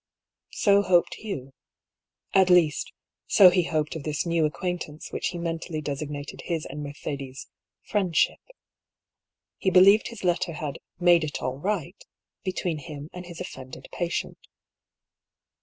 So hoped Hugh. At least, so he hoped of this new acquaintance which he mentally designated his and Mercedes' "friendship." He believed his letter had "made it all right" between him and his offended patient.